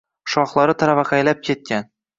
Shoxlari tarvaqaylab ketgan.